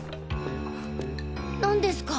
何ですか？